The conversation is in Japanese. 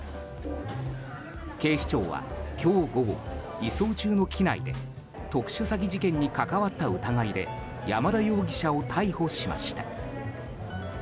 警視庁は今日午後移送中の機内で特殊詐欺事件に関わった疑いで山田容疑者を逮捕しました。